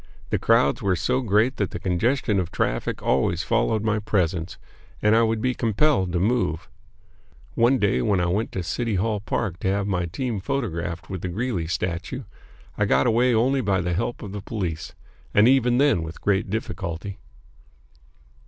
The crowds were so great that congestion of traffic always followed my presence, and I would be compelled to move. One day when I went to City Hall Park to have my team photographed with the Greeley statue, I got away only by the help of the police, and even then with great difficulty. [Illustration: In Wall Street, New York City.